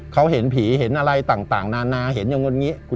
เขาเห็นผีเห็นอะไรต่างนานาเห็นอย่างนี้